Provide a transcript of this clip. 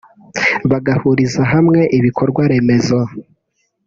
bagahuriza hamwe ibikorwa remezo